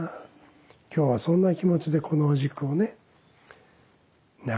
今日はそんな気持ちでこのお軸をね眺めてたんです。